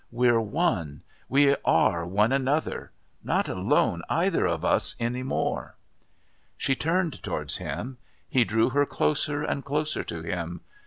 We're one. We are one another not alone, either of us any more...." She turned towards him. He drew her closer and closer to him.